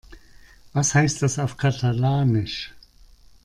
Was heißt das auf Katalanisch?